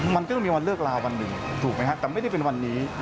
มันก็ต้องมีวันเลิกลาวันหนึ่งถูกไหมฮะแต่ไม่ได้เป็นวันนี้